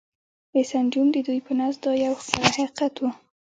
و سنجوم، د دوی په نزد دا یو ښکاره حقیقت و.